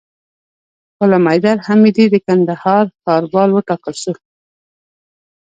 غلام حیدر حمیدي د کندهار ښاروال وټاکل سو